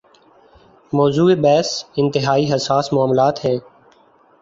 موضوع بحث انتہائی حساس معاملات ہیں۔